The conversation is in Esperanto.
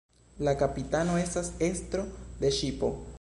La "kapitano" estas estro de ŝipo.